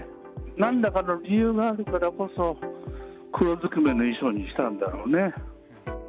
なんらかの理由があるからこそ、黒ずくめの衣装にしたんだろうね。